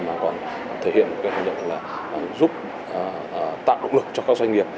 mà còn thể hiện một cái hành động là giúp tạo động lực cho các doanh nghiệp